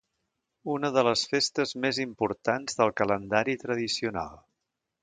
una de les festes més importants del calendari tradicional